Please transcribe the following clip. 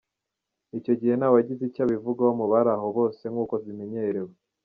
Icyo gihe, ntawagize icyo abivugaho mu bari aho bose nk’uko bimenyerewe.